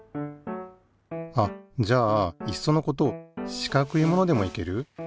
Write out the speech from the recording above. あっじゃあいっそのこと四角いものでもいける？